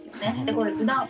これふだん。